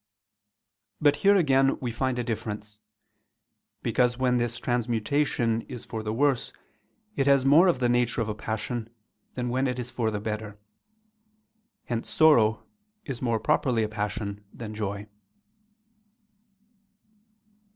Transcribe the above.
But here again we find a difference; because when this transmutation is for the worse, it has more of the nature of a passion, than when it is for the better: hence sorrow is more properly a passion than joy.